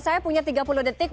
saya punya tiga puluh detik